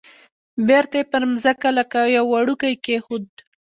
بیرته یې پر مځکه لکه یو وړوکی کېښود.